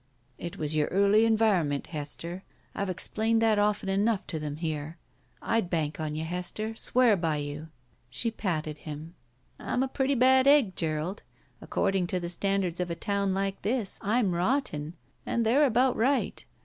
"It was your early environment, Hester. I've explained that often enough to them here. I'd bank on you, Hester — swear by you." She patted him. 84 BACK PAY «<T». I'm a pretty bad egg, Gerald, According to the standards of a town like this, I'm rotten, and they're about right.